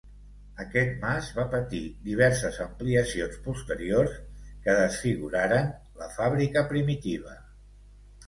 Aquest mas va patir diverses ampliacions posteriors que desfiguraren la fàbrica primitiva.